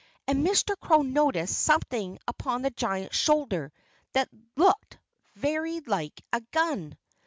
And Mr. Crow noticed something upon the giant's shoulder that looked very like a gun.